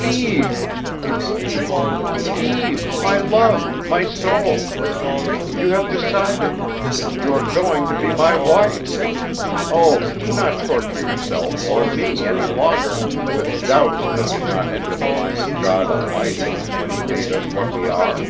"Eve," he repeated, "Eve, my love, my soul! You have decided; you are going to be my wife. Oh, do not torture yourself or me any longer with doubts that did not enter the mind of God Almighty when He made us what we are.